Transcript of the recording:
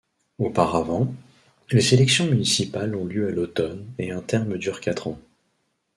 Auparavant, les élections municipales ont lieu à l'automne et un terme dure quatre ans.